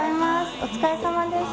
お疲れさまでした。